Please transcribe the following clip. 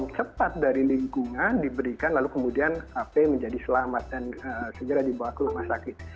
cepat dari lingkungan diberikan lalu kemudian hp menjadi selamat dan segera dibawa ke rumah sakit